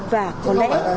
và có lẽ